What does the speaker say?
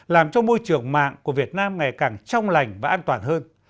làm cho môi trường mạng của việt nam ngày càng trong lành và an toàn hơn